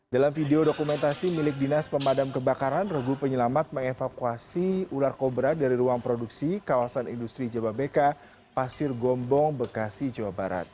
dalam video dokumentasi milik dinas pemadam kebakaran regu penyelamat mengevakuasi ular kobra dari ruang produksi kawasan industri jababeka pasir gombong bekasi jawa barat